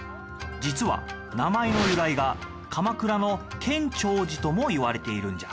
実は名前の由来が鎌倉の建長寺ともいわれているんじゃ。